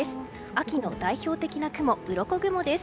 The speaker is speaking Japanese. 秋の代表的な雲、うろこ雲です。